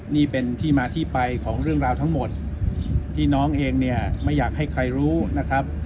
นี่เป็นที่มาที่ไปของเรื่องราวทั้งหมดที่น้องเองเนี่ยไม่อยากให้ใครรู้นะครับ